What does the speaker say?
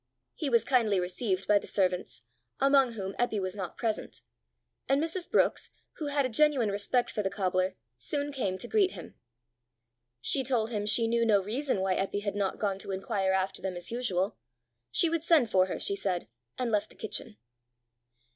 He was kindly received by the servants, among whom Eppy was not present; and Mrs. Brookes, who had a genuine respect for the cobbler, soon came to greet him. She told him she knew no reason why Eppy had not gone to inquire after them as usual: she would send for her, she said, and left the kitchen.